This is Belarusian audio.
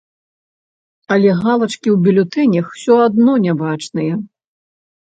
Але галачкі ў бюлетэнях усё адно не бачныя.